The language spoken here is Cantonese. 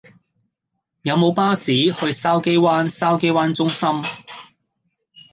有無巴士去筲箕灣筲箕灣中心